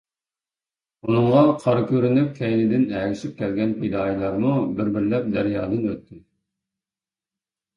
ئۇنىڭغا قارا كۆرۈنۈپ كەينىدىن ئەگىشىپ كەلگەن پىدائىيلارمۇ بىر- بىرلەپ دەريادىن ئۆتتى.